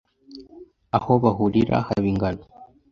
aho bahurira haba ingano